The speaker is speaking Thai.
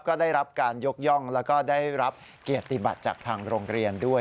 ก็ได้รับการยกย่องแล้วก็ได้รับเกียรติบัติจากทางโรงเรียนด้วย